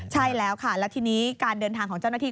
ใช่แล้วค่ะแล้วทีนี้การเดินทางของเจ้าหน้าที่